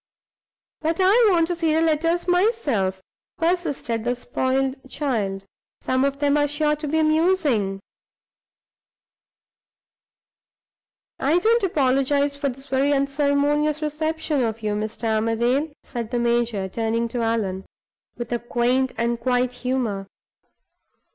"But I want to see the letters myself," persisted the spoiled child. "Some of them are sure to be amusing " "I don't apologize for this very unceremonious reception of you, Mr. Armadale," said the major, turning to Allan, with a quaint and quiet humor.